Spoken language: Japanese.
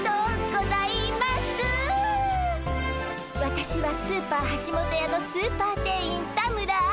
私はスーパーはしもとやのスーパー店員田村愛。